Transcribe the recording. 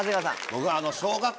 僕。